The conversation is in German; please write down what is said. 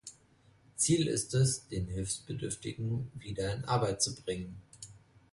Ziel ist es, den Hilfebedürftigen wieder in Arbeit zu bringen.